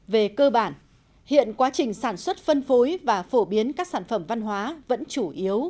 về cơ bản hiện quá trình sản xuất phân phối và phổ biến các sản phẩm văn hóa vẫn chủ yếu